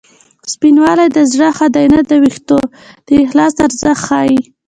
سپینوالی د زړه ښه دی نه د وېښتو د اخلاص ارزښت ښيي